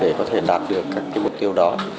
để có thể đạt được các mục tiêu đó